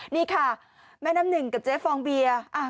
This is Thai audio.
นี่ค่ะแม่น้ำหนึ่งกับเจ๊ฟองเบียร์